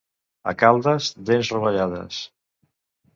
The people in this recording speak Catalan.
A Caldes, dents rovellades.